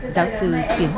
giáo sư tiến sĩ nguyễn lân